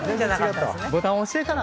ボタン押してから。